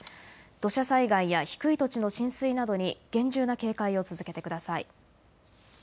土砂災害や低い土地の浸水などに厳重な警戒を続けてください。